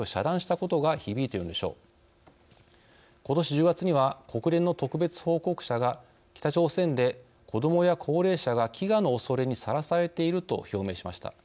ことし１０月には国連の特別報告者が「北朝鮮で子どもや高齢者が飢餓のおそれにされらされている」と表明しました。